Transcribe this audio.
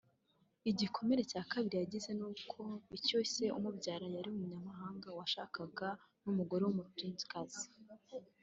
Igikomere cya kabiri yagize ni icy’uko ise umubyara yari umunyamahanga washakanye n’umugore w’umututsikazi